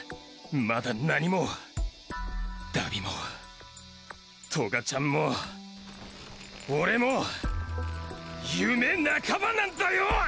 まだ何も荼毘もトガちゃんも俺も夢半ばなんだよ！